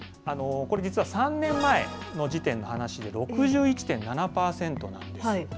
これ、実は３年前の時点の話で、６１．７％なんです。